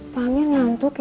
pamir ngantuk ya